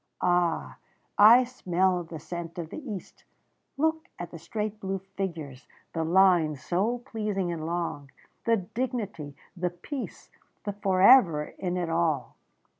Ah! I smell the scent of the East. Look at the straight blue figures, the lines so pleasing and long. The dignity, the peace, the forever in it all....